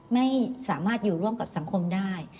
ไม่สามารถอยู่ร่วมกับสังคมได้